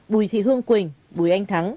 bùi thị hương quỳnh bùi anh thắng